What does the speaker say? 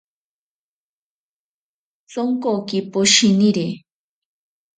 Sonkoki poshiniri.